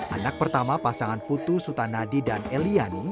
anak pertama pasangan putu sutanadi dan eliani